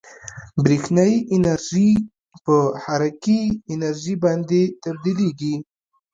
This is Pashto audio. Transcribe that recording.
برېښنايي انرژي په حرکي انرژي باندې تبدیلیږي.